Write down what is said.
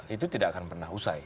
itu tidak akan pernah usai